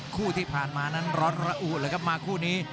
คู่ที่ผ่านมานั้นร้อนระอุเลยครับมาคู่นี้